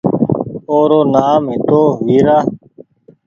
او رو نآم هتو ويرا